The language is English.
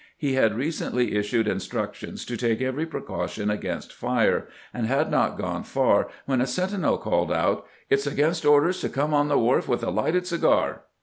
He had recently issued instructions to take every precaution against fire, and had not gone far when a sentinel called out :" It 's against orders to come on the wharf with a lighted cigar."